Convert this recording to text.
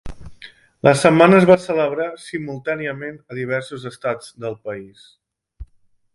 La setmana es va celebrar simultàniament a diversos estats del país.